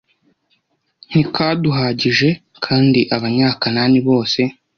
ntikaduhagije kandi abanyakanani bose